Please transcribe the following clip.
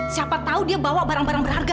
siapa tahu dia bawa barang barang berharga